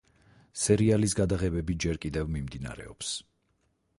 სერიალის გადაღებები ჯერ კიდევ მიმდინარეობს.